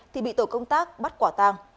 thì bị tổ công tác bắt quả tàng